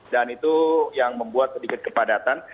itu yang membuat sedikit kepadatan